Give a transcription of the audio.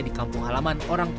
di kampung halaman orang tua